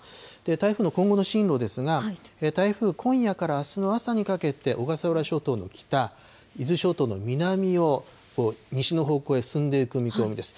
台風の今後の進路ですが、台風、今夜からあすの朝にかけて、小笠原諸島の北、伊豆諸島の南を西の方向へ進んでいく見込みです。